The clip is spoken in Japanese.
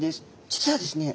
実はですね